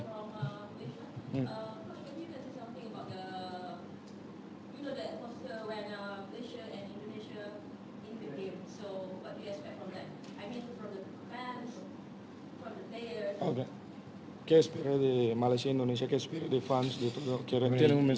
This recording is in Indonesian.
anda tahu bahwa indonesia akan menang di pertandingan ini